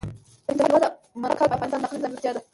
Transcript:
د هېواد مرکز د افغانستان د اقلیم ځانګړتیا ده.